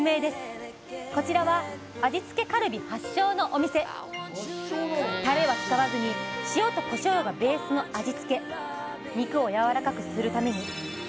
こちらは味付けカルビ発祥のお店タレは使わずに塩とこしょうがベースの味付け肉をやわらかくするためにキウイを使っているそうです